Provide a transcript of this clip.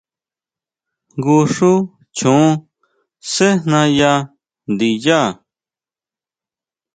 Jngu xú choon sejna yá ndiyá.